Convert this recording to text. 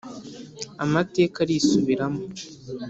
amateka arisubiramo